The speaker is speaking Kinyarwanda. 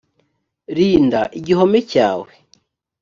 rinda igihome cyawe